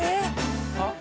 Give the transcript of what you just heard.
あっ。